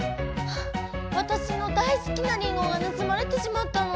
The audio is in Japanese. わたしの大すきなリンゴがぬすまれてしまったの！